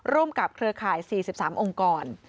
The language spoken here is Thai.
ร่วมกับเครือข่าย๔๓องค์กร